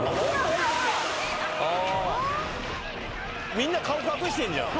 みんな顔隠してんじゃん。